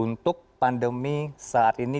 untuk pandemi saat ini